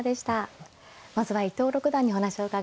まずは伊藤六段にお話を伺います。